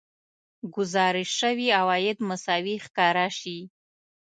ګزارش شوي عواید مساوي ښکاره شي